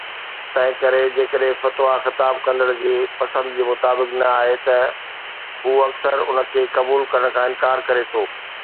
تنهن ڪري، جيڪڏهن فتوي خطاب ڪندڙ جي پسند جي مطابق نه آهي، ته هو اڪثر ان کي قبول ڪرڻ کان انڪار ڪري ٿو